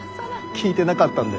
聞いてなかったんで。